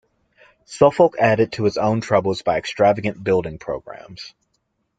Suffolk added to his own troubles by extravagant building programs.